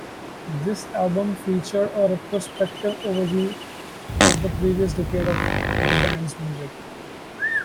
This album featured a retrospective overview of the previous decade of the band's music.